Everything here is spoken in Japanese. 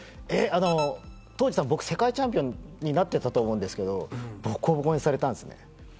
当時、僕世界チャンピオンになってたと思うんですけどぼこぼこにされたんですね。